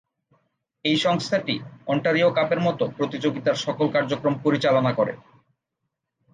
এই সংস্থাটি অন্টারিও কাপের মতো প্রতিযোগিতার সকল কার্যক্রম পরিচালনা করে।